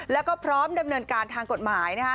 แล้วก็พร้อมดำเนินการทางกฎหมายนะฮะ